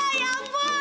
ah ya ampun